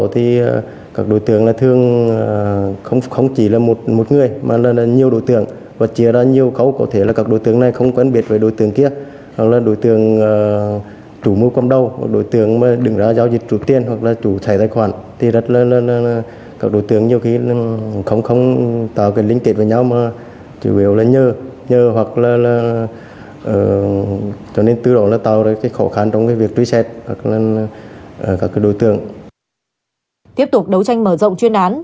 tiếp tục đấu tranh mở rộng chuyên án